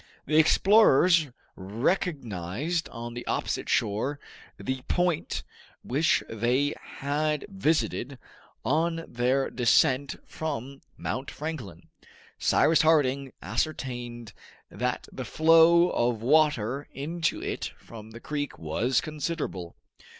The explorers recognized on the opposite shore the point which they had visited on their descent from Mount Franklin. Cyrus Harding ascertained that the flow of water into it from the creek was considerable.